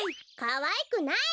かわいくない！